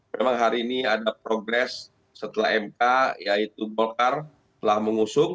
memang hari ini ada progres setelah mk yaitu golkar telah mengusung